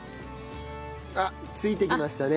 あっついてきましたね。